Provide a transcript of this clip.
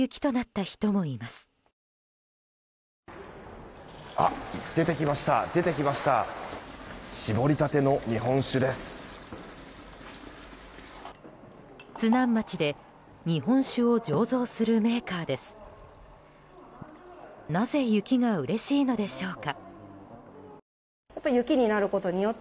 なぜ雪がうれしいのでしょうか。